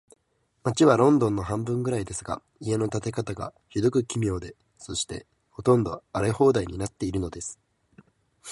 街はロンドンの半分くらいですが、家の建て方が、ひどく奇妙で、そして、ほとんど荒れ放題になっているのです。